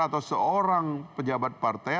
atau seorang pejabat partai